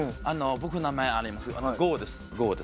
僕の名前あります。